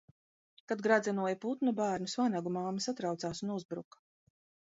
Kad gredzenoja putnu bērnus, vanagu mamma satraucās un uzbruka.